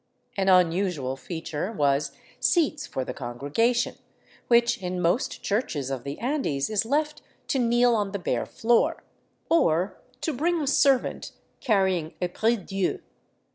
An unusual feature was seats for the congregation, which in most churches of the Andes is left to kneel on the bare floor, or to bring a servant carrying a prie dieu.